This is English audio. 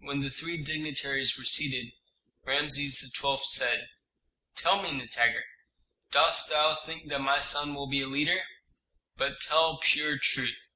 When the three dignitaries were seated, Rameses XII. said, "Tell me, Nitager, dost thou think that my son will be a leader? But tell pure truth."